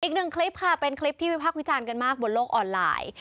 อีกหนึ่งคลิปค่ะเป็นคลิปที่วิพากษ์วิจารณ์กันมากบนโลกออนไลน์